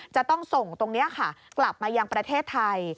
จะต้องส่งตรงนี้ค่ะกลับมายังประเทศไทย